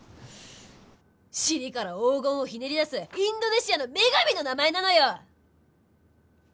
尻から黄金をひねり出すインドネシアの女神の名前なのよ！